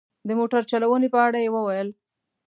د موټر چلونې په اړه یې وویل.